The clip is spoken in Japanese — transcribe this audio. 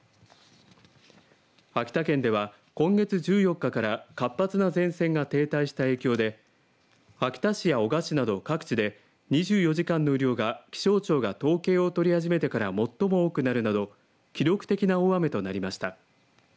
秋田県では今月１４日から活発な前線が停滞した影響で秋田市や男鹿市など各地で２４時間の雨量が気象庁が統計を取り始めてから最も多くなるなど記録的な大雨となりました。